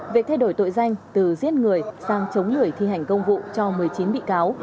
về thay đổi tội danh từ giết người sang chống người thi hành công vụ cho một mươi chín bị cáo